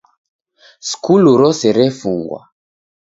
Skulu rose refungwa.